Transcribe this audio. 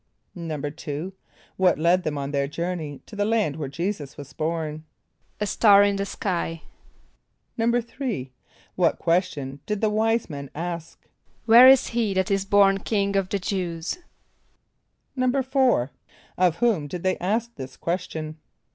= =2.= What led them on their journey to the land where J[=e]´[s+]us was born? =A star in the sky.= =3.= What question did the wise men ask? ="Where is he that is born King of the Jew[s+]?"= =4.= Of whom did they ask this question?